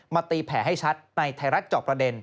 มาตีแผลให้ชัดในไทรรัชจอบประเด็น